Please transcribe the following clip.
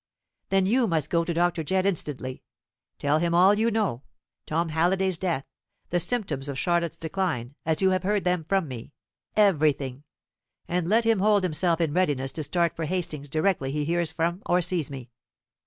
Then you must go to Dr. Jedd instantly. Tell him all you know Tom Halliday's death; the symptoms of Charlotte's decline, as you have heard them from me everything; and let him hold himself in readiness to start for Hastings directly he hears from or sees me.